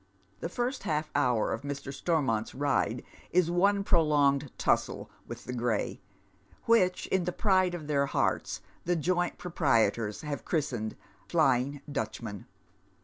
The first half hour of Mr. Stormont"s ride is one prolonged tussle with tha gray, which, in the pride of their hearts, the joint proprietors have christened Flying Dutchman.